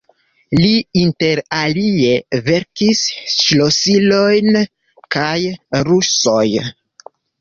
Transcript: Li inter alie verkis ŝlosilon por rusoj.